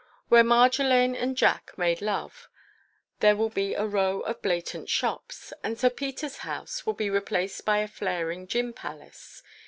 Where Marjolaine and Jack made love, there will be a row of blatant shops, and Sir Peter's house will be replaced by a flaring gin palace.